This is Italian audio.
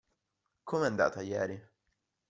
Come è andata ieri?